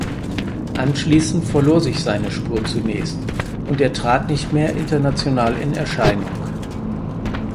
Anschließend verlor sich seine Spur zunächst und er trat nicht mehr international in Erscheinung.